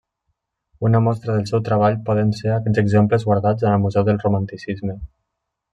Una mostra del seu treball poden ser aquests exemples guardats en el Museu del Romanticisme.